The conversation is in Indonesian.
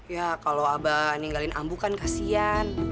ya kalau abah ninggalin ambu kan kasian